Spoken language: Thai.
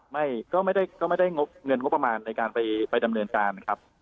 ไม่ก็ไม่ได้ก็ไม่ได้งบเงินงบประมาณในการไปดำเนินการครับ